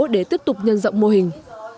để tiếp tục nhân dọng mô hình